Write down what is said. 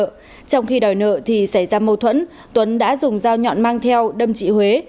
trong khi đòi nợ thì xảy ra mâu thuẫn tuấn đã dùng dao nhọn mang theo đâm chị huế